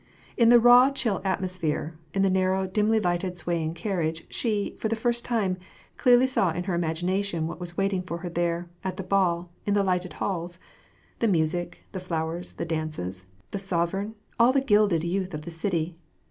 In the raw, chill atmosphere, in the narrow, dimly lighted, swaying carriage, she, for the first time, clearly saw in her imagi nation what was waiting for her there, at the ball, in the lighted halls, — the music, the flowers, the dances, the sovereign, all the gilded youth of the city.